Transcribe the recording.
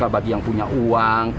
bagi yang punya uang